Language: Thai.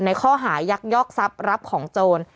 ในข้อหายักษ์ยอกซักรับของโจร